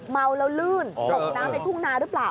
เมาแล้วลื่นตกน้ำในทุ่งนาหรือเปล่า